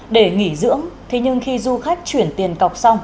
để nghỉ dưỡng thế nhưng khi du khách chuyển tiền cọc xong